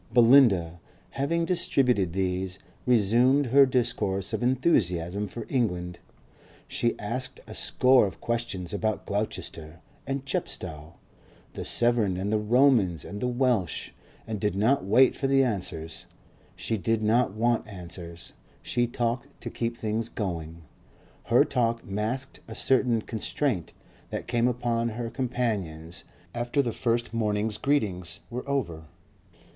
Belinda, having distributed these, resumed her discourse of enthusiasm for England. She asked a score of questions about Gloucester and Chepstow, the Severn and the Romans and the Welsh, and did not wait for the answers. She did not want answers; she talked to keep things going. Her talk masked a certain constraint that came upon her companions after the first morning's greetings were over.